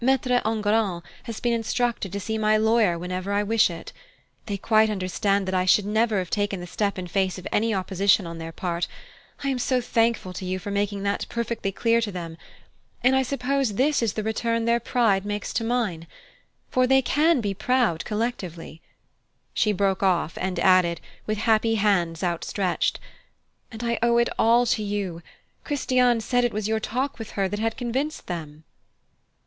Maitre Enguerrand has been instructed to see my lawyer whenever I wish it. They quite understand that I never should have taken the step in face of any opposition on their part I am so thankful to you for making that perfectly clear to them! and I suppose this is the return their pride makes to mine. For they can be proud collectively " She broke off and added, with happy hands outstretched: "And I owe it all to you Christiane said it was your talk with her that had convinced them."